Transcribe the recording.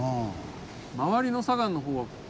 周りの砂岩の方は。